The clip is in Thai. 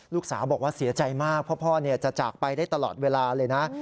ลูกสาวบอกว่าเสียใจมากเพราะพ่อจะจากไปได้ตลอดเวลาเลยนะ